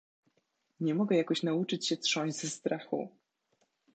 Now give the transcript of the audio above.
"Nie mogę jakoś nauczyć się trząść ze strachu."